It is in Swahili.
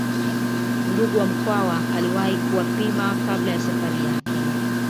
Ndugu wa Mkwawa aliwahi kuwapima kabla ya Safari yake